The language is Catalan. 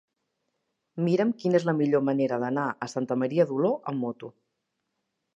Mira'm quina és la millor manera d'anar a Santa Maria d'Oló amb moto.